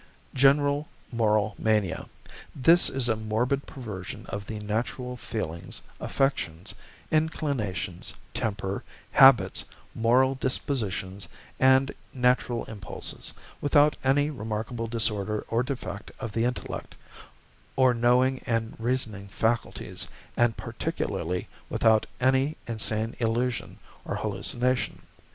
=General Moral Mania.= This is a morbid perversion of the natural feelings, affections, inclinations, temper, habits, moral dispositions, and natural impulses, without any remarkable disorder or defect of the intellect, or knowing and reasoning faculties, and particularly without any insane illusion or hallucination.